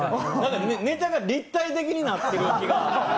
ネタが立体的になってる気がする。